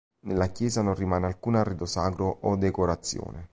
Nella chiesa non rimane alcun arredo sacro o decorazione.